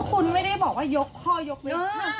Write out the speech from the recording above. คุณไม่ได้บอกว่ายกข้อยกเว้น